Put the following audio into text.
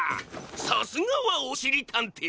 さすがはおしりたんてい！